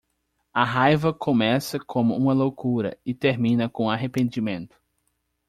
A raiva começa com uma loucura e termina com arrependimento.